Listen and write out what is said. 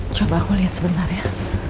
coba aku liat sebentar ya